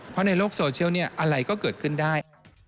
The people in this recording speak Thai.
เพราะในโลกโซเชียลอะไรก็เกิดขึ้นได้